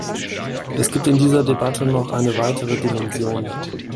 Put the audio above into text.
Es gibt in dieser Debatte noch eine weitere Dimension.